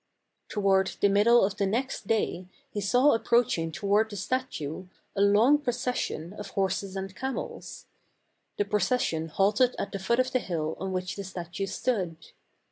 Toward the middle of the next day he saw approaching toward the statue, a long procession THE CARAVAN. 199 of horses and camels. The procession halted at the foot of the hill on which the statue stood.